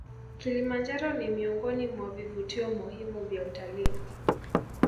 kilimanjaro ni miongoni mwa vivutio muhimu vya utalii